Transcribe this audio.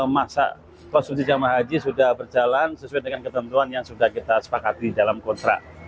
masa konsumsi jamaah haji sudah berjalan sesuai dengan ketentuan yang sudah kita sepakati dalam kontrak